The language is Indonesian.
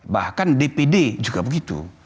bahkan dpd juga begitu